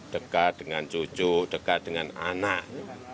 dekat dengan cucu dekat dengan anak